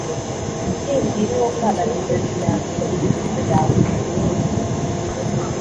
Nimbwira uwo mwana nti ‘Dore imyambi iri hino yawe uyende’